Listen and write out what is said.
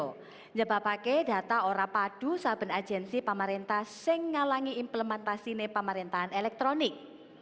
menjelaskan data orang padu sabun agensi pemerintah yang mengalami implementasi pemerintahan elektronik